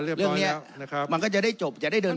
เรื่องนี้มันก็จะได้จบจะได้เดินต่อ